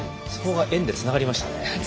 そこが円でつながりましたね。